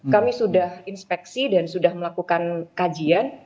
kami sudah inspeksi dan sudah melakukan kajian